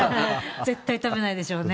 絶対食べないでしょうね。